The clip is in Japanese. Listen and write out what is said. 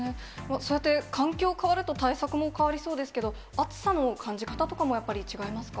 そうやって環境変わると、対策も変わりそうですけど、暑さの感じ方とかもやっぱり違いますか。